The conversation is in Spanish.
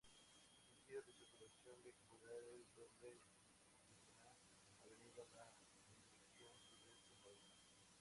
El sentido de circulación vehicular es doble, y la avenida va en dirección sudeste-noroeste.